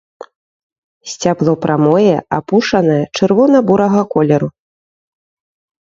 Сцябло прамое, апушанае, чырвона-бурага колеру.